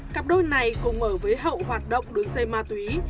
cặp đôi này cùng ở với hậu hoạt động đường dây ma túy